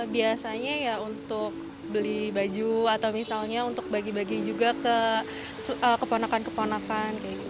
biasanya ya untuk beli baju atau misalnya untuk bagi bagi juga ke keponakan keponakan